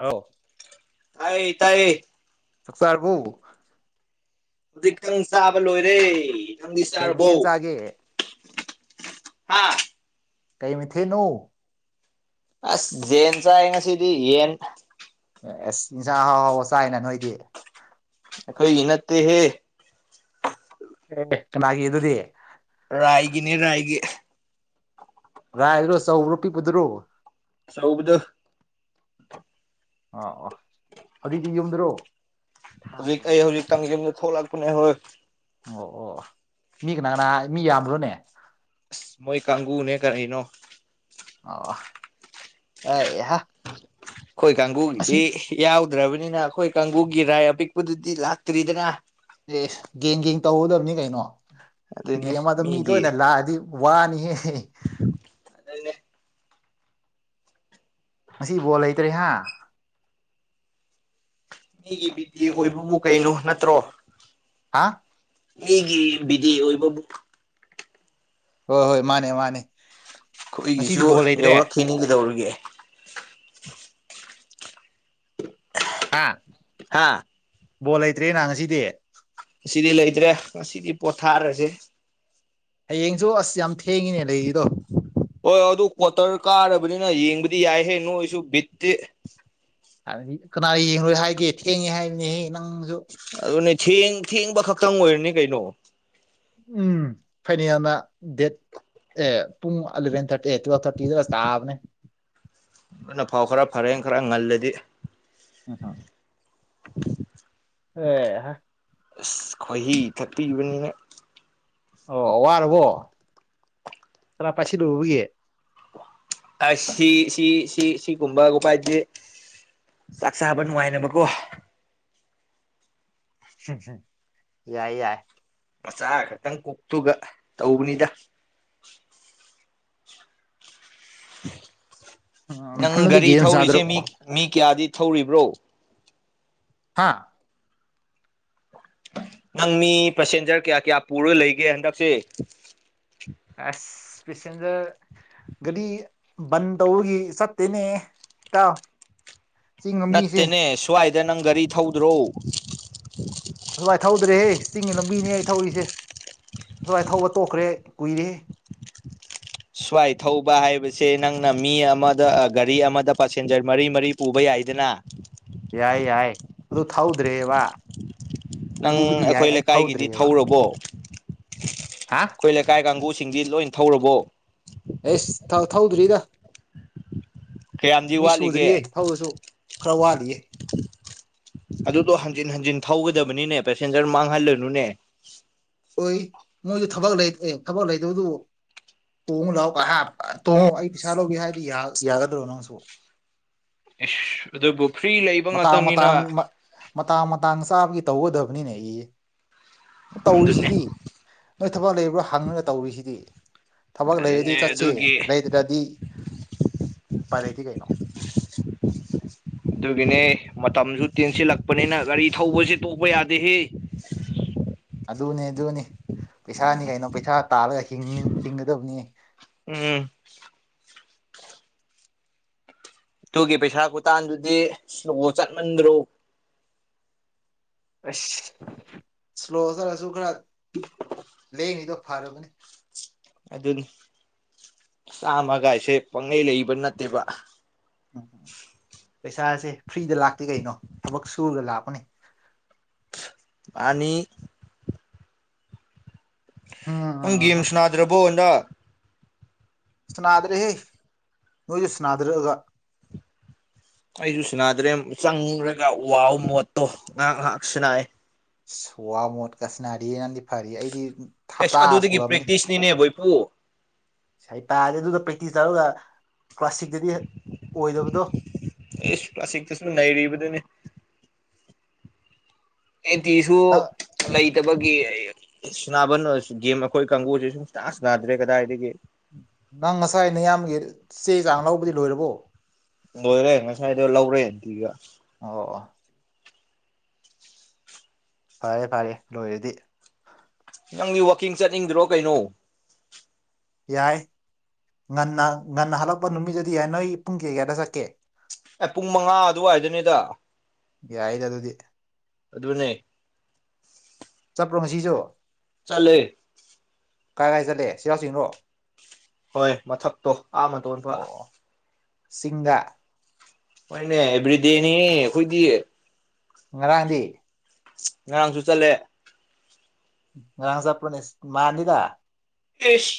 ꯑꯥꯎ ꯇꯌꯦ ꯇꯥꯏꯌꯦ ꯁꯛꯁꯔꯔꯕꯕꯨ ꯍꯧꯖꯤꯛꯇꯪ ꯆꯥꯕ ꯂꯣꯏꯔꯦ ꯅꯪꯗꯤ ꯀꯩ ꯆꯥꯔꯕꯣ ꯃꯊꯦꯜ ꯆꯥꯒꯦ ꯍꯥꯥ ꯀꯩ ꯃꯤꯊꯤ ꯅꯨ ꯑꯁ ꯖꯟ ꯆ ꯍꯥꯏ ꯉ ꯁꯤꯗꯤ ꯌꯦꯟ ꯑꯦꯁ ꯏꯟꯁꯥꯡ ꯍꯥꯎ ꯍꯥꯎ ꯆꯥꯏꯅ ꯅꯣꯏꯗꯤ ꯑꯩꯈꯣꯏꯒꯤ ꯅꯠꯇꯦꯍꯦ ꯑꯦꯒꯤꯦ ꯏꯗꯨꯗꯤ ꯔꯥꯏꯒꯤꯅꯦ ꯔꯥꯏꯒꯤ ꯔꯥꯏꯔꯣ ꯆꯧ ꯔꯨꯄꯤ ꯄꯨꯗ꯭ꯔꯣ ꯁꯧꯕꯨꯗꯨ ꯑꯥ ꯑ ꯑꯗꯨꯗꯤ ꯌꯨꯝꯗ꯭ꯔꯣ ꯍꯧꯖꯤꯛ ꯑꯩ ꯍꯧꯖꯤꯛ ꯇꯪꯖꯝꯗ ꯊꯣꯛꯂꯛꯄꯅꯦ ꯍꯣꯏ ꯑꯣ ꯑꯣ ꯃꯤ ꯀꯅꯥꯅꯍ ꯃꯤ ꯌꯥꯝꯕ꯭ꯔꯣꯅꯦ ꯑꯁ ꯃꯣꯏ ꯀꯥꯡꯒꯕꯨꯅꯦ ꯀꯔꯤꯅꯣ ꯑ ꯑꯦꯍ ꯑꯩꯈꯣꯏ ꯑꯁꯤ ꯀꯥꯡꯕꯨꯒꯤꯗꯤ ꯌꯥꯎꯗ꯭ꯔꯕꯅꯤꯅ ꯑꯩꯈꯣꯏ ꯀꯥꯡꯕꯨꯒꯤ ꯔꯥꯏ ꯑꯄꯤꯛꯄꯗꯨꯗꯤ ꯂꯥꯛꯇ꯭ꯔꯤꯗꯅ ꯑꯦ ꯒꯦꯡ ꯒꯦꯡ ꯇꯧꯍꯗꯕꯅꯤ ꯀꯩꯅꯣ ꯑꯗꯨꯅꯦ ꯒꯦꯡ ꯑꯃꯗ ꯃꯤ ꯂꯣꯏꯅ ꯂꯥꯛꯑꯗꯤ ꯋꯥꯅꯤ ꯑꯦ ꯉꯁꯤ ꯕꯣꯜ ꯂꯩꯇ꯭ꯔꯦ ꯍꯥ ꯃꯤꯒꯤ ꯕꯤꯇꯤ ꯑꯣꯏꯕꯕꯨ ꯀꯩꯅꯣ ꯅꯠꯇ꯭ꯔꯣ ꯍꯥ ꯍꯒꯤ ꯕꯤꯗꯤ ꯑꯣꯏꯕꯕꯨ ꯍꯣꯏ ꯍꯣꯏ ꯃꯥꯅꯦ ꯃꯥꯅꯦ ꯉꯁꯤꯗꯤ ꯑꯩꯈꯏꯒꯤꯁꯨ ꯕꯣꯜ ꯂꯩꯇ꯭ꯔꯦ ꯌꯧꯔꯛꯈꯤꯅꯤ ꯀꯩꯗꯧꯔꯒꯦ ꯍꯥ ꯍꯥꯥ ꯕꯣꯜ ꯂꯩꯇ꯭ꯔꯦ ꯅ ꯉꯁꯤꯗꯤ ꯑꯁꯤꯗꯤ ꯂꯩꯇ꯭ꯔꯦ ꯉꯁꯤꯗꯤ ꯄꯣꯊꯥꯔꯁꯦ ꯍꯌꯦꯡꯁꯨ ꯑꯁ ꯌꯥꯝ ꯊꯦꯡꯉꯤꯅꯦ ꯂꯩꯔꯤꯗꯣ ꯍꯣꯏ ꯑꯗꯨ ꯀ꯭ꯋꯥꯇꯔ ꯀꯥꯔꯕꯅꯤꯅ ꯌꯦꯡꯕꯗꯤ ꯌꯥꯏꯍꯦ ꯅꯣꯏꯁꯨ ꯕꯤꯠꯇꯤ ꯗꯤ ꯀꯅꯥ ꯌꯦꯡꯂꯡꯉꯣꯏ ꯍꯥꯏꯒꯦ ꯊꯦꯡꯉꯦ ꯍꯥꯏꯕꯅꯦꯍꯦ ꯅꯪꯁꯨ ꯑꯗꯨꯅꯦ ꯊꯦꯡ ꯊꯦꯡꯕ ꯈꯛꯇꯪ ꯑꯣꯏꯔꯅꯤ ꯀꯩꯅꯣ ꯎꯝ ꯐꯩꯅꯦꯅ ꯗꯦꯠ ꯑꯦ ꯄꯨꯡ ꯑꯦꯂꯚꯦꯟ ꯊꯥꯔꯇꯤ ꯑꯦ ꯇꯨꯋꯦꯜ ꯊꯥꯔꯇꯤꯗ ꯇꯥꯕꯅꯦ ꯑꯗꯨꯣꯏꯅ ꯐꯥꯎ ꯈꯔ ꯐꯔꯦ ꯈꯔ ꯉꯜꯂꯗꯤ ꯑꯥ ꯑꯣ ꯑꯁ ꯈ꯭ꯣꯏꯍꯤ ꯀꯠꯄꯤꯕꯅꯤꯅ ꯑꯣ ꯋꯥꯔꯕꯣ ꯀꯅꯥ ꯄꯥꯏꯁꯤꯂꯨꯕꯕꯒꯤ ꯑ ꯁꯤ ꯁꯤ ꯁꯤ ꯁꯤꯒꯨꯝꯕ ꯎꯄꯥꯏꯁꯦ ꯆꯥꯛ ꯆꯥꯕ ꯅꯨꯡꯉꯥꯏꯅꯕꯀꯣ ꯌꯥꯏ ꯌꯥꯏ ꯃꯆꯥ ꯈꯛꯇꯪ ꯀꯣꯛꯇꯨꯒ ꯇꯧꯕꯅꯤꯗ ꯎꯝ ꯅꯪ ꯅꯊꯟꯗꯗꯤ ꯒꯥꯔꯤ ꯒꯦꯝ ꯁꯥꯟꯅꯗ꯭ꯔꯣ ꯊꯧꯔꯤꯁꯦ ꯃꯤ ꯃꯤ ꯀꯌꯥꯗꯤ ꯊꯧꯔꯤꯕ꯭ꯔꯣ ꯍꯥꯥ ꯅꯪ ꯃꯤ ꯄꯦꯁꯦꯟꯖꯔ ꯀꯌꯥ ꯀꯌꯥ ꯄꯨꯔꯒ ꯂꯩꯒꯦ ꯍꯟꯗꯛꯁꯦ ꯑꯁ ꯄꯁꯤꯦꯟꯖꯔ ꯒꯥꯗꯤ ꯕꯟ ꯇꯧꯕꯒꯤ ꯆꯠꯇꯦꯅꯦ ꯏꯇꯥꯎ ꯆꯤꯡ ꯂꯝꯕꯤꯁꯦ ꯅꯠꯇꯦꯅꯦ ꯁ꯭ꯋꯥꯏꯗ ꯅꯪ ꯒꯥꯔꯤ ꯊꯧꯗ꯭ꯔꯣ ꯑꯁꯨꯃꯥꯏꯅ ꯊꯧꯗ꯭ꯔꯦꯍꯦ ꯆꯤꯡꯒꯤ ꯂꯝꯕꯤꯅꯦ ꯑꯩ ꯊꯧꯔꯤꯁꯦ ꯑꯁꯨꯃꯥꯏ ꯊꯧꯕ ꯇꯣꯛꯈ꯭ꯔꯦ ꯀꯨꯏꯔꯦꯦ ꯁ꯭ꯋꯥꯏ ꯊꯧꯕ ꯍꯥꯏꯕꯁꯦ ꯅꯪꯅ ꯃꯤ ꯑꯃꯗ ꯒꯥꯔꯤ ꯑꯃꯗ ꯄꯁꯦꯟꯖꯔ ꯃꯔꯤ ꯃꯔꯤ ꯎꯕ ꯌꯥꯏꯗꯅ ꯌꯥꯏ ꯌꯥꯏ ꯑꯗꯨ ꯊꯧꯗ꯭ꯔꯦꯕ ꯅꯪ ꯄꯨꯕꯗꯤ ꯌꯥꯏ ꯑꯩꯈꯣꯏ ꯑꯩ ꯂꯩꯀꯥꯏꯒꯤꯗꯤ ꯊꯧꯗ꯭ꯔꯤꯑꯕ ꯊꯧꯔꯕꯣ ꯍꯥ ꯑꯩꯈꯣꯏ ꯂꯩꯀꯥꯏ ꯀꯥꯡꯕꯨꯁꯤꯡꯗꯤ ꯂꯣꯏ ꯊꯧꯔꯕꯣ ꯑꯦꯁ ꯊꯧꯗ꯭ꯔꯤꯗ ꯀꯌꯥꯝꯗꯤ ꯃꯤ ꯁꯨꯗ꯭ꯔꯤꯌꯦ ꯋꯥꯠꯂꯤꯒꯦ ꯐꯧꯗꯁꯨ ꯈꯔ ꯋꯥꯠꯂꯤꯌꯦ ꯑꯗꯨꯗꯣ ꯍꯟꯖꯤꯟ ꯍꯟꯖꯤꯟ ꯊꯧꯒꯗꯕꯅꯤꯅꯦ ꯄꯦꯁꯦꯟꯖꯔ ꯃꯥꯡꯍꯜꯂꯅꯨꯅꯦ ꯑꯣꯏ ꯃꯣꯏꯁꯨ ꯊꯕꯛ ꯑꯦ ꯊꯕꯛ ꯂꯩꯗꯕꯗꯨꯕꯨ ꯇꯣꯡꯨꯛ ꯂꯥꯛꯑꯣ ꯇꯣꯡꯉꯣ ꯑꯩ ꯄꯩꯁꯥ ꯂꯧꯧꯕꯒꯦ ꯍꯥꯏꯔꯗꯤ ꯌꯥꯒꯗ꯭ꯔꯣ ꯅꯪꯁꯨ ꯏꯁ ꯑꯗꯨꯕꯨ ꯐ꯭ꯔꯤ ꯂꯩꯕ ꯃꯇꯥꯡ ꯉꯥꯛꯇꯅꯤꯅ ꯃꯇꯥꯡ ꯃꯇꯥꯡ ꯃꯇꯥꯡ ꯆꯥꯕꯒꯤ ꯇꯧꯒꯗꯕꯅꯤꯅꯦ ꯑꯩ ꯑꯗꯨꯅꯦ ꯇꯧꯔꯤꯁꯤꯗꯤ ꯅꯣꯏ ꯊꯕꯛ ꯂꯩꯕ꯭ꯔꯥ ꯍꯪꯉꯒ ꯇꯧꯔꯤꯁꯤꯗꯤ ꯊꯕꯛ ꯂꯩꯔꯗꯤ ꯑꯗꯨꯅꯦ ꯆꯠꯁꯦ ꯑꯗꯨꯒꯤ ꯂꯩꯗ꯭ꯔꯗꯤ ꯄꯥꯏ ꯂꯩꯗꯤ ꯀꯩꯅꯣ [inaudible] ꯑꯗꯨꯒꯤꯅꯦ ꯃꯇꯝꯁꯨ ꯇꯦꯟꯁꯤꯜꯂꯛꯄꯅꯤꯅ ꯒꯥꯔꯤ ꯊꯧꯕꯁꯤ ꯇꯣꯛꯄ ꯌꯥꯗꯦ ꯍꯦ ꯑꯗꯨꯅꯦ ꯑꯗꯨꯅꯤ ꯄꯩꯁꯥꯅꯤ ꯀꯩꯅꯣ ꯄꯩꯁꯥ ꯇꯥꯔꯒ ꯍꯤꯡꯒꯗꯕꯅꯤ ꯎꯝ ꯇꯨꯒꯤ ꯄꯩꯁꯥ ꯈꯨꯇꯥꯟꯗꯨꯗꯤ ꯆꯠꯃꯟꯗ꯭ꯔꯣ ꯑꯁ ꯁ꯭ꯂꯣ ꯇꯔꯁꯨ ꯈꯔ ꯂꯦꯡꯉꯤꯗꯣ ꯐꯔꯕꯅꯤ ꯑꯗꯨ ꯆꯥꯝꯃꯒꯥꯏꯁꯦ ꯄꯪꯉꯩ ꯂꯩꯕ ꯅꯠꯇꯦꯕ ꯎꯝ ꯄꯩꯁꯥꯁꯦ ꯐ꯭ꯔꯤꯗ ꯂꯥꯛꯇꯦ ꯀꯩꯅꯣ ꯊꯕꯛ ꯁꯨꯔꯒ ꯂꯥꯛꯄꯅꯦ ꯃꯥꯟꯅꯤ ꯅꯪ ꯎꯝ ꯒꯦꯝꯁꯨ ꯅꯥꯗ꯭ꯔꯕꯣꯟꯗ ꯁꯅꯥꯗ꯭ꯔꯦꯍꯦ ꯅꯣꯏꯁꯨ ꯁꯅꯥꯗꯔꯛꯑꯒ ꯑꯩꯁꯨ ꯁꯅꯥꯗ꯭ꯔꯦ ꯆꯪ꯭ꯔꯒ ꯋꯥꯎ ꯃꯣꯠꯇꯣ ꯉꯥꯏꯍ ꯉꯥꯏꯍꯥꯛ ꯁꯅꯥꯑꯦ ꯁꯨꯋꯥ ꯃꯣꯠ ꯀꯁꯅꯥꯔꯤꯅꯗꯤ ꯐꯔꯤ ꯑꯩꯗꯤ ꯍꯞꯇꯥ ꯑꯦꯁ ꯑꯗꯨꯗꯒꯤ ꯁꯨꯔꯕꯅꯤ ꯄ꯭ꯔꯦꯛꯇꯤꯁꯅꯤꯅꯦꯕꯣꯏꯄꯨ ꯉꯥꯏ ꯄꯥꯔꯦ ꯑꯗꯨꯒ ꯄ꯭ꯔꯦꯛꯇꯤꯁ ꯇꯧꯔꯒ ꯀ꯭ꯂꯥꯁꯁꯤꯛꯇꯗꯤ ꯑꯣꯏꯗꯕꯗꯣ ꯑꯦ ꯄ꯭ꯂꯥꯁꯤꯛꯇꯁꯨ ꯅꯩꯔꯤꯕꯗꯨꯅꯦ ꯑꯦ ꯇꯤꯁꯨ ꯅꯪ ꯂꯩ ꯂꯩꯇꯕꯒꯤ ꯁꯕ ꯒꯦꯝ ꯑꯩꯈꯣꯏ ꯀꯥꯡꯒꯁꯦ ꯁꯨꯡꯇꯥ ꯁꯅꯥꯗ꯭ꯔꯦ ꯀꯗꯥꯏꯗꯒꯤ ꯅꯪ ꯉꯁꯥꯏ ꯅꯌꯥꯝꯒꯤ ꯆꯦ ꯆꯥꯡ ꯂꯧꯕꯗꯤ ꯂꯣꯏꯔꯕꯣ ꯂꯣꯏꯔꯦ ꯉꯁꯥꯏꯗꯣ ꯂꯧꯔꯦꯗꯤꯒ ꯑꯣ ꯐꯔꯦ ꯐꯔꯦ ꯂꯣꯏꯔꯗꯤ ꯅꯪꯗꯤ ꯋꯥꯀꯤꯡ ꯆꯠꯅꯤꯡꯗ꯭ꯔꯣ ꯀꯩꯅꯣ ꯌꯥꯏ ꯉꯟꯅ ꯉꯟꯅ ꯍꯜꯂꯛꯄ ꯅꯨꯃꯤꯠꯗꯗꯤ ꯌꯥꯏ ꯅꯣꯏ ꯄꯨꯡ ꯀꯌꯥ ꯀꯌꯥꯗ ꯆꯠꯀꯦ ꯑꯦ ꯄꯨꯡ ꯃꯉꯥ ꯑꯗꯨꯋꯥꯏꯗꯨꯅꯦꯗ ꯌꯥꯏꯗ ꯑꯗꯨꯗꯤ ꯑꯗꯨꯅꯦ ꯆꯠꯄ꯭ꯔꯣ ꯉꯁꯤꯁꯨ ꯆꯠꯂꯦ ꯀꯥꯏ ꯀꯥꯏ ꯆꯠꯂꯦ ꯁꯤꯔꯥꯎ ꯆꯤꯡꯔꯣ ꯍꯣꯏ ꯃꯊꯛꯇꯣ ꯑꯥ ꯃꯇꯣꯟꯗꯣ ꯁꯤꯡꯗ ꯍꯣꯏꯅꯦ ꯑꯦꯕ꯭ꯔꯤꯗꯦꯅꯤ ꯑꯩꯈꯣꯏꯗꯤ ꯉꯔꯥꯡꯗꯤ ꯉꯔꯥꯡꯁꯨ ꯆꯠꯂꯦ ꯉꯥꯡ ꯆꯄꯅꯦꯁ ꯃꯥꯅꯤꯗꯥ ꯑꯦꯁ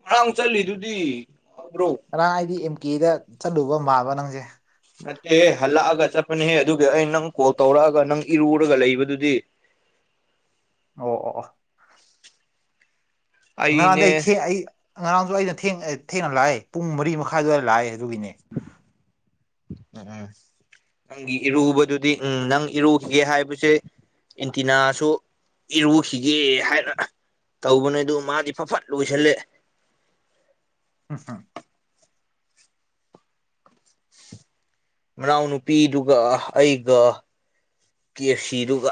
ꯉꯔꯥꯡ ꯆꯠꯂꯤꯗꯨꯗꯤ ꯉꯕ꯭ꯔꯣ ꯉꯔꯥꯡ ꯑꯩꯗꯤ ꯑꯦꯝ ꯀꯦꯗ ꯆꯠꯂꯨꯕ ꯃꯥꯕ ꯅꯪꯁꯦ ꯅꯠꯇꯦꯍꯦ ꯍꯜꯂꯛꯑꯒ ꯆꯠꯄꯅꯦꯍꯦ ꯑꯗꯨ ꯑꯩ ꯅꯪ ꯀꯣꯜ ꯇꯧꯔꯛꯑꯒ ꯅꯪ ꯏꯔꯨꯔꯒ ꯂꯩꯕꯗꯨꯗꯤ ꯑꯣ ꯑꯣ ꯑꯣ ꯉꯔꯥꯡꯗ ꯑꯩꯅꯦ ꯑꯩ ꯊꯦꯡ ꯑꯩ ꯉꯔꯥꯡꯁꯨ ꯑꯩꯅ ꯊꯦꯡꯅ ꯂꯥꯛꯑꯦ ꯄꯨꯡ ꯃꯔꯤ ꯃꯈꯥꯏ ꯑꯗꯋꯥꯏ ꯂꯥꯛꯑꯦ ꯑꯗꯨꯒꯤꯅꯦ [unintelligible] ꯅꯪꯒꯤ ꯏꯔꯨꯕꯗꯨꯗꯤ ꯎꯝ ꯅꯪ ꯏꯔꯨꯈꯤꯒꯦ ꯍꯥꯏꯕꯁꯦ ꯑꯦꯟꯇꯤꯅꯥꯁꯨ ꯏꯔꯨꯈꯤꯒꯦ ꯍꯥꯏꯔ ꯇꯧꯕꯅꯦ ꯑꯗꯨ ꯃꯥꯗꯤ ꯐ ꯐꯠ ꯂꯣꯏꯁꯜꯂꯦ ꯎꯝ ꯍꯝ ꯃꯅꯥꯎꯅꯨꯄꯤꯗꯨꯒ ꯑꯩꯒ ꯀꯦ ꯁꯤꯗꯨꯒ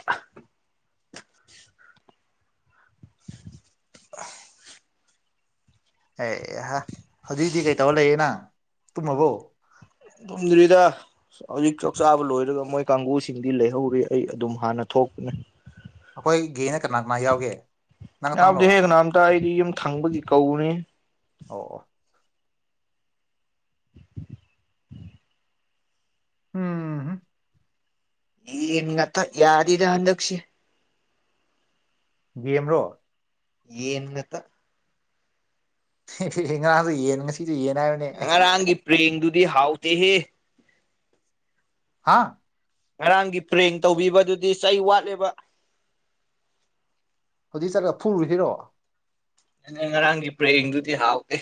[unintelligible] ꯑꯦ ꯑꯦꯍ ꯍꯧꯖꯤꯛꯗꯤ ꯀꯩꯇꯧꯔ ꯂꯩꯌꯦ ꯅꯪ ꯇꯨꯝꯃꯕꯣ ꯗꯨꯝꯗ꯭ꯔꯤꯗ ꯍꯧꯖꯤꯛ ꯆꯥꯛ ꯆꯥꯕ ꯂꯣꯏꯔꯒ ꯃꯣꯏ ꯀꯥꯡꯒꯕꯨꯁꯤꯡꯗꯤ ꯂꯩꯍꯧꯔꯤ ꯑꯩ ꯑꯗꯨꯝ ꯍꯥꯟꯅ ꯊꯣꯛꯄꯅꯦ ꯑꯩꯈꯣꯏꯒꯤꯒꯦꯅ ꯀꯅꯥ ꯀꯅꯥ ꯌꯥꯎꯒꯦ ꯅꯪ ꯈꯇꯪꯔꯣ ꯌꯥꯕꯗꯤ ꯍꯦꯒꯅ ꯑꯝꯇ ꯑꯩꯗꯤ ꯌꯨꯝ ꯊꯪꯕꯗꯤ ꯀꯧꯅꯤ ꯑꯣ ꯑꯣ ꯎꯝ ꯌꯦꯅꯤꯡ ꯉꯠꯇ ꯌꯥꯗꯗ ꯍꯟꯗꯁꯤ ꯕꯤꯑꯦꯝ ꯔꯣ ꯌꯦꯟꯠꯇ ꯉꯔꯥꯡꯁꯨ ꯌꯦꯟ ꯉꯁꯤꯁꯨ ꯌꯦꯟ ꯍꯥꯏꯕ ꯉꯔꯥꯡꯒꯤ ꯄ꯭ꯔꯦꯡꯗꯨꯗꯤ ꯍꯥꯎꯇꯦꯍꯦ ꯍꯥꯥ ꯉꯔꯥꯡꯒꯤ ꯐ꯭ꯔꯦꯡ ꯇꯧꯕꯤꯕꯗꯨꯗꯤ ꯆꯩ ꯋꯥꯠꯂꯦꯕ ꯍꯧꯖꯤꯛ ꯆꯠꯂꯒ ꯐꯨꯔꯨꯖꯤꫪꯣ ꯑꯩꯅ ꯉꯔꯥꯡꯒꯤ ꯄꯔꯦꯡꯗꯨꯗꯤ ꯍꯥꯎꯇꯦ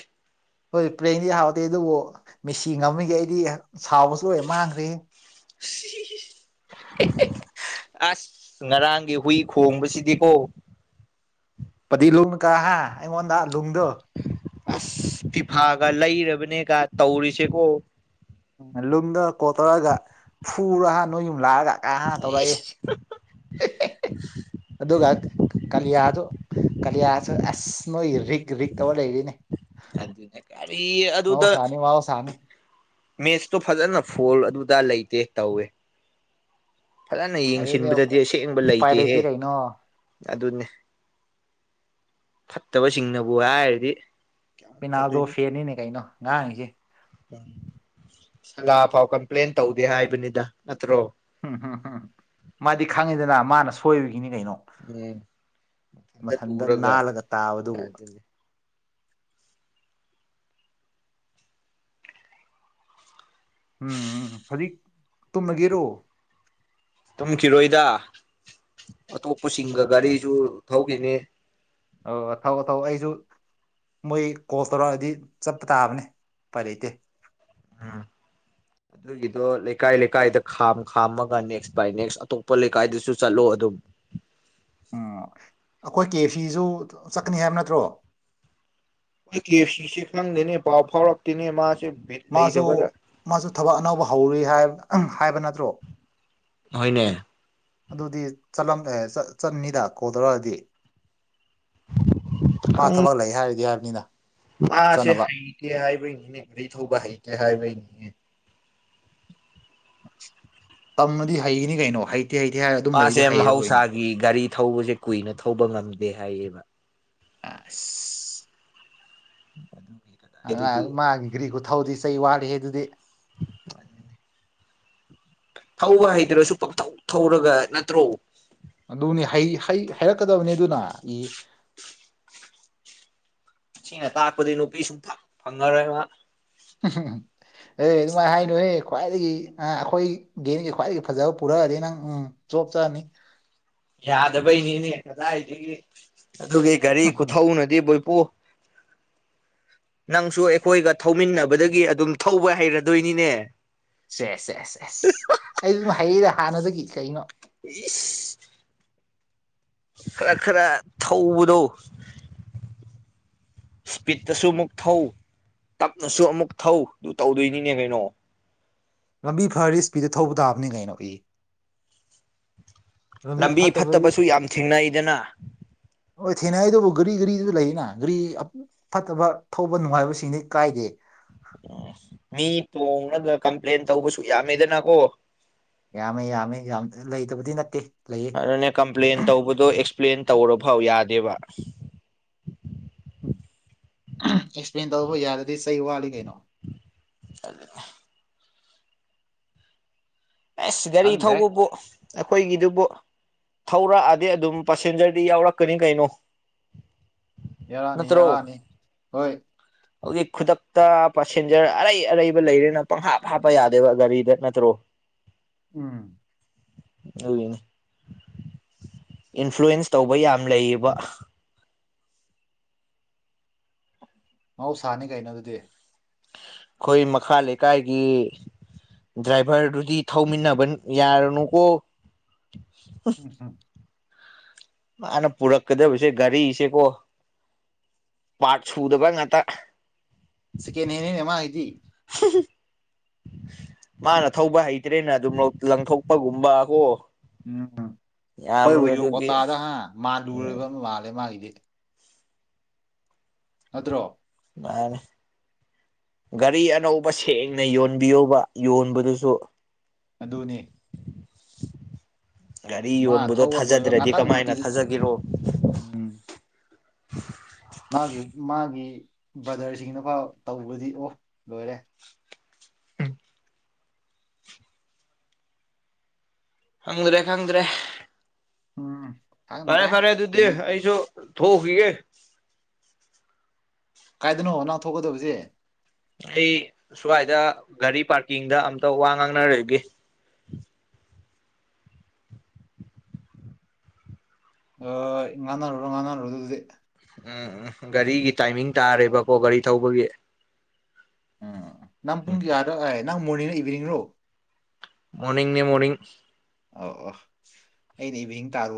ꯍꯣꯏ ꯄ꯭ꯂꯦꯟꯗꯤ ꯍꯥꯎꯗꯦ ꯑꯗꯨꯕꯨ ꯃꯦꯁꯤ ꯉꯝꯃꯤꯒꯩ ꯑꯩꯗꯤ ꯁꯥꯎꯕꯁꯨ ꯂꯣꯏ ꯃꯥꯡꯈ꯭ꯔꯦꯍꯦ [unintelligible] ꯑꯁ ꯉꯔꯥꯡꯒꯤ ꯍꯨꯏ ꯈꯣꯡꯕꯁꯤꯗꯤꯀꯣ ꯄꯗꯤ ꯂꯨꯡ ꯀ ꯍꯥꯏ ꯑꯩꯉꯣꯟꯗ ꯂꯨꯡꯗꯣ ꯑꯁ ꯇꯤꯐꯥꯒ ꯂꯩꯔꯕꯅꯦꯒ ꯇꯧꯔꯤꯁꯦꯀꯣ ꯎ ꯂꯨꯝꯗꯔ ꯀꯣꯜ ꯇꯧꯔꯒ ꯐꯨꯔꯣ ꯍꯥ ꯅꯣꯏ ꯌꯨꯝ ꯂꯥꯛꯑꯒ ꯀꯥ ꯍꯥ ꯇꯧꯔꯛꯑꯦ [unintelligible] ꯑꯗꯨꯒ ꯀꯂꯤꯌꯥꯗ ꯀꯂꯤꯌꯥꯁ ꯑꯦꯁ ꯅꯣ ꯔꯤꯛ ꯔꯤꯛ ꯇꯧ ꯂꯩꯔꯤꯅꯦ ꯑꯗꯨꯗ ꯋꯥꯣ ꯁꯃꯨ ꯃꯦꯠꯁꯇꯣ ꯐꯖꯅ ꯐꯣꯜ ꯑꯗꯨꯗꯥ ꯂꯩꯇꯦ ꯇꯧꯋꯦ ꯐꯖꯅ ꯑꯗꯨꯗꯤ ꯌꯦꯡꯁꯤꯟꯕꯗꯗꯤ ꯑꯁꯦꯡꯕ ꯎꯄꯥꯏ ꯂꯩꯇꯦꯍꯦ ꯂꯩꯇꯦ ꯀꯩꯅꯣ ꯑꯗꯨꯅꯦ ꯐꯠꯇꯕꯁꯤꯡꯅꯕꯨ ꯍꯥꯏꯔꯗꯤ ꯄꯦꯅꯥꯗꯣ ꯐꯦꯅꯤꯅꯦ ꯀꯩꯅꯣ ꯉꯔꯥꯡꯁꯦ ꯎꯝ ꯁꯒꯥ ꯐꯥꯎ ꯀꯝꯄ꯭ꯂꯦꯟ ꯇꯧꯗꯦ ꯍꯥꯏꯕꯅꯤꯗ ꯅꯠꯇ꯭ꯔꯣ ꯎꯝ ꯎꯝ ꯎꯝ ꯃꯥꯗꯤ ꯈꯪꯉꯤꯗꯅ ꯃꯥꯅ ꯁꯣꯏꯕꯒꯤꯅꯤ ꯀꯩꯅꯣ ꯎꯝ ꯏꯊꯟꯇ ꯃꯊꯟꯇ ꯇꯨꯔꯒ ꯅꯥꯜꯂꯒ ꯇꯥꯕꯗꯨꯕꯨ ꯑꯗꯨꯅꯤ ꯎꯝ ꯎꯝ ꯐꯗꯤ ꯇꯨꯝꯃꯒꯦꯔꯣ ꯇꯨꯝꯈꯤꯔꯣꯏꯗ ꯑꯇꯣꯞꯄꯁꯤꯡꯒ ꯒꯥꯔꯤꯁꯨ ꯊꯧꯈꯤꯅꯤ ꯑ ꯊꯧ ꯊꯧ ꯑꯩꯁꯨ ꯃꯣꯏ ꯀꯣꯜ ꯇꯧꯔꯛꯑꯗꯤ ꯆꯠꯄ ꯇꯥꯕꯅꯦ ꯎꯄꯥꯏ ꯂꯩꯇꯦ ꯎꯝ [inaudible] ꯑꯗꯨꯒꯤꯗꯣ ꯂꯩꯀꯥꯏ ꯂꯩꯀꯥꯏꯗ ꯈꯥꯝ ꯈꯥꯝꯃꯒ ꯅꯦꯛꯁ ꯕꯥꯏ ꯅꯦꯛꯁ ꯑꯇꯣꯞꯄ ꯂꯩꯀꯥꯏꯗꯁꯨ ꯆꯠꯂꯣ ꯑꯗꯨꯝ ꯎꯝ ꯑꯩꯈꯣꯏ ꯀꯦ ꯐꯤꯁꯨ ꯆꯠꯀꯅꯤ ꯍꯥꯏꯕ ꯅꯠꯇ꯭ꯔꯣ ꯑꯩꯈꯣꯏ ꯀꯦ ꯁꯤꯁꯦ ꯈꯪꯗꯦꯅꯦ ꯄꯥꯎ ꯐꯥꯎꯔꯛꯇꯦꯅꯦ ꯃꯥꯁꯦ ꯕꯤꯠ ꯂꯩꯇꯕꯗ ꯃꯥꯁꯨ ꯃꯥꯁꯨ ꯊꯕꯛ ꯑꯅꯧꯕ ꯍꯧꯔꯤ ꯍꯥꯏ ꯍꯥꯏꯕ ꯅꯠꯇ꯭ꯔꯣ ꯍꯣꯏꯅꯦ ꯑꯗꯨꯗꯤ ꯆꯠꯂꯝ ꯆꯠꯅꯤꯗ ꯀꯧꯗꯧꯔꯛꯗꯤ ꯃꯥ ꯊꯕꯛ ꯂꯩ ꯍꯥꯏꯔꯤꯗꯤ ꯍꯥꯏꯕꯅꯤꯅ ꯆꯠꯅꯕ ꯦ ꯍꯥꯏꯕꯩꯅꯤꯅꯦ ꯒꯥꯔꯤ ꯊꯧꯕ ꯍꯩꯇꯦ ꯍꯥꯏꯕꯩꯅꯤꯅꯦ [inaudible] ꯇꯝꯃꯗꯤ ꯍꯩꯅꯤ ꯀꯩꯅꯣ ꯍꯩ ꯃꯥꯁꯦ ꯃꯍꯧꯁꯥꯒꯤ ꯒꯥꯔꯤ ꯊꯧꯕꯁꯦ ꯀꯨꯏꯅ ꯊꯧꯕ ꯉꯝꯗꯦ ꯍꯥꯏꯌꯦꯕ ꯑꯥ [unintelligible] ꯑꯗꯨꯗꯤ ꯑ ꯃꯥꯒꯤ ꯒꯥꯔꯤ ꯈꯨꯊꯧꯗꯤ ꯆꯩ ꯋꯥꯠꯂꯤ ꯑꯗꯨꯗꯤ ꯊꯧꯕ ꯍꯩꯗ꯭ꯔꯁꯨ ꯄꯪꯊꯧ ꯊꯧꯔꯒ ꯅꯠꯇ꯭ꯔꯣ ꯑꯗꯨꯅꯤ ꯍꯩ ꯍꯩ ꯍꯩꯔꯛꯀꯗꯕꯅꯤ ꯑꯗꯨꯅ ꯁꯤꯅ ꯇꯥꯛꯄꯗꯤ ꯅꯨꯄꯤ ꯁꯨꯐꯛ ꯐꯪꯉꯔꯣꯏ ꯃꯥ ꯎ [unintelligible] ꯑꯦ ꯑꯗꯨꯃꯥꯏꯅ ꯍꯥꯏꯅꯨꯍꯦ ꯈ꯭ꯋꯥꯏꯗꯒꯤ ꯑ ꯑꯩꯈꯣꯏ ꯗꯒꯤ ꯈ꯭ꯋꯥꯏꯗꯒꯤ ꯐꯖꯕ ꯄꯨꯔꯛꯑꯗꯤ ꯅꯪ ꯎꯝ ꯆꯣꯞꯆꯅꯤ ꯌꯥꯗꯕꯩꯅꯤꯅꯦ ꯀꯗꯥꯏꯗꯒꯤ ꯑꯗꯨꯒꯤ ꯒꯥꯔꯤ ꯈꯨꯊꯧꯅꯗꯤ ꯕꯣꯏꯄꯨ [inaudible] ꯅꯪꯁꯨ ꯑꯩꯈꯣꯏꯒ ꯊꯧꯃꯤꯟꯅꯕꯗꯒꯤ ꯑꯗꯨꯝ ꯊꯧꯕ ꯍꯩꯔꯗꯣꯏꯅꯤꯅꯦ ꯁꯦ ꯁꯦ ꯑꯦꯁ ꯑꯦꯁ ꯑꯩ ꯑꯗꯨꯝ ꯍꯩꯗ ꯍꯥꯟꯅꯗꯒꯤ ꯀꯩꯅꯣ ꯏꯁ ꯈꯔ ꯈꯔ ꯊꯧꯕꯗꯣ ꯏꯁꯄꯤꯠꯇꯁꯨ ꯑꯃꯨꯛ ꯊꯧ ꯇꯞꯅꯁꯨ ꯑꯃꯨꯛ ꯊꯧꯗꯨ ꯇꯧꯗꯣꯏꯅꯤꯅꯦ ꯀꯩꯅꯣ ꯂꯝꯕꯤ ꯐꯔꯗꯤ ꯏꯁꯄꯤꯗꯇ ꯊꯧꯕ ꯇꯥꯕꯅꯤ ꯀꯩꯅꯣ ꯏ ꯂꯝꯕꯤ ꯐꯠꯇꯕꯁꯨ ꯌꯥꯝ ꯊꯦꯡꯅꯩꯗꯅ ꯍꯣꯏ ꯊꯦꯡꯅꯏꯗꯕꯨ ꯒꯥꯔꯤ ꯒꯥꯔꯤꯗ ꯂꯩꯅ ꯒꯥꯔꯤ ꯐꯠꯇꯕ ꯊꯧꯕ ꯅꯨꯡꯉꯥꯏꯕꯁꯤꯡꯗꯤ ꯀꯥꯏꯗꯦ ꯃꯤ ꯇꯣꯡꯂꯒ ꯀꯝꯄ꯭ꯂꯦꯟ ꯇꯧꯕꯁꯨ ꯌꯥꯝꯃꯦꯗꯅꯀꯣ ꯌꯥꯝꯃꯦ ꯌꯥꯝꯃꯦ ꯌꯥꯝ ꯂꯩꯇꯕꯗꯤ ꯅꯠꯇꯦ ꯂꯩꯌꯦ ꯑꯗꯨꯅꯦ ꯀꯝꯄ꯭ꯂꯦꯟ ꯇꯧꯕꯗꯣ ꯑꯦꯛꯁꯄ꯭ꯂꯦꯟ ꯇꯧꯔ ꯐꯥꯎ ꯌꯥꯗꯦꯕ ꯎꯝ ꯑꯦꯛꯁꯄ꯭ꯂꯦꯟ ꯇꯧꯕ ꯌꯥꯇꯔꯗꯤ ꯆꯩ ꯋꯥꯠꯂꯤ ꯀꯩꯅꯣ ꯑꯗꯨ ꯑꯦꯁ ꯁꯤꯗꯔꯤ ꯈꯪꯗ꯭ꯔꯦ ꯊꯧꯕꯕꯨ ꯑꯩꯈꯣꯏꯒꯤꯗꯨꯕꯨ ꯊꯧꯔꯛꯑꯗꯤ ꯑꯗꯨꯝ ꯄꯦꯁꯦꯟꯖꯔꯗꯤ ꯌꯥꯎꯔꯛꯀꯅꯤ ꯀꯩꯅꯣ ꯌꯥꯔꯥꯅꯤ ꯅꯠꯇ꯭ꯔꯣ ꯌꯥꯔꯥꯅꯤ ꯍꯣꯏ ꯍꯧꯖꯤꯛ ꯈꯨꯗꯛꯇ ꯄꯁꯦꯟꯖꯔ ꯑꯔꯩ ꯑꯔꯩꯕ ꯂꯩꯔꯦꯅ ꯄꯪꯍꯥꯞ ꯍꯥꯞꯄ ꯌꯥꯗꯦꯕ ꯒꯥꯔꯤꯗ ꯅꯠꯇ꯭ꯔꯣ ꯎꯝ ꯑꯗꯨꯅꯦ ꯏꯟꯐ꯭ꯂꯨꯋꯟꯁ ꯇꯧꯕ ꯌꯥꯝ ꯂꯩꯌꯦꯕ ꯃꯍꯧꯁꯥꯅꯤ ꯀꯩꯅꯣ ꯑꯗꯨꯗꯤ ꯈꯣꯏ ꯃꯈꯥ ꯂꯩꯀꯥꯏꯒꯤ ꯗ꯭ꯔꯥꯏꯚꯔꯗꯨꯗꯤ ꯊꯧꯃꯤꯟꯅꯕ ꯌꯥꯔꯅꯨꯀꯣ [inaudible] ꯃꯥꯅ ꯄꯨꯔꯛꯀꯗꯕꯁꯦ ꯒꯥꯔꯤꯁꯦꯀꯣ ꯄꯥꯠ ꯁꯨꯗꯕ ꯉꯥꯛꯇ ꯁꯦꯀꯦꯟ ꯍꯦꯟꯅꯤꯅꯦ ꯃꯒꯤꯗꯤ ꯍꯨꯝ ꯍꯝ ꯃꯥꯅ ꯊꯧꯕ ꯍꯩꯇ꯭ꯔꯦꯅ ꯑꯗꯨꯝ ꯂꯧ ꯂꯪꯊꯣꯛꯄꯒꯨꯝꯕ ꯀꯣ ꯎꯝ ꯍꯣꯏꯕꯨ ꯌꯥꯝꯅ ꯌꯨ ꯑꯗꯨꯒꯤ ꯀꯣꯇꯥꯗ ꯍꯥ ꯎꯝ ꯃꯥꯥꯟꯂꯨꯔꯕ ꯃꯥꯜꯂꯦ ꯃꯥꯒꯤꯗꯤ ꯅꯠꯇ꯭ꯔꯣ ꯃꯥꯅꯦ ꯒꯥꯔꯤ ꯑꯅꯧꯕ ꯁꯦꯡꯅ ꯌꯣꯟꯕꯤꯌꯣꯕ ꯌꯣꯟꯕꯗꯨꯁꯨ ꯑꯗꯨꯅꯦ ꯒꯥꯔꯤ ꯃꯥ ꯌꯣꯟꯕꯗꯣ ꯊꯧꯕ ꯂꯣꯏꯕ ꯊꯥꯖꯗ꯭ꯔꯗꯤ ꯉꯥꯛꯇꯪ ꯀꯃꯥꯏꯅ ꯄꯤꯖꯤ ꯊꯥꯖꯒꯤꯔꯣ ꯎꯝ ꯃꯥꯒꯤ ꯃꯥꯒꯤ ꯕ꯭ꯔꯗꯔꯁꯤꯡꯅꯐꯥꯎ ꯇꯧꯕꯗꯤ ꯑꯣ ꯂꯣꯏꯔꯦ ꯈꯪꯗ꯭ꯔꯦ ꯈꯪꯗ꯭ꯔꯦ ꯎꯝ ꯐꯔꯦ ꯈꯪꯗ꯭ꯔꯦ ꯐꯔꯦ ꯑꯗꯨꯗꯤ ꯀꯔꯤ ꯑꯩꯁꯨ ꯊꯣꯛꯎꯈꯤꯒꯦ ꯀꯥꯏꯗꯅꯣ ꯅꯪ ꯊꯣꯛꯀꯗꯕꯁꯤ ꯑꯩ ꯁ꯭ꯋꯥꯏꯗ ꯒꯥꯔꯤ ꯄꯥꯔꯀꯤꯡꯗ ꯑꯝꯇ ꯋꯥ ꯉꯥꯡꯅꯔꯒꯦ ꯍꯣꯢ ꯉꯥꯟꯅꯔꯨꯔꯣ ꯉꯥꯡꯅꯔꯨꯔꯣ ꯑꯗꯨꯗꯤ ꯎꯝ ꯎꯝ ꯒꯥꯔꯤꯒꯤ ꯇꯥꯏꯃꯤꯡ ꯇꯥꯔꯦꯕꯀꯣ ꯒꯥꯔꯤ ꯊꯧꯕꯒꯤ ꯎꯝ ꯅꯪ ꯄꯨꯡ ꯀꯌꯥꯗ ꯉꯥꯏ ꯅꯪ ꯃꯣꯔꯅꯤꯡꯂ ꯏꯚꯤꯅꯤꯡꯔꯣ ꯃꯣꯔꯅꯤꯡ ꯅꯦ ꯃꯣꯔꯅꯤꯡ ꯑꯣ ꯑꯣ ꯑꯩꯅ ꯏꯚꯤꯅꯤꯡ ꯇꯥꯔꯨ